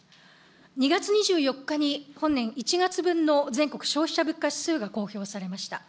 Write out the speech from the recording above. ２月２４日に本年１月分の全国消費者物価指数が公表されました。